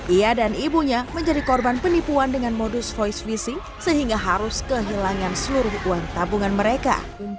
ia dan ibunya menjadi korban penipuan dengan modus voice fishing sehingga harus kehilangan seluruh uang tabungan mereka